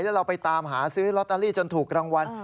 แล้วเราไปตามหาซื้อลอตเตอรี่จนถูกรางวัล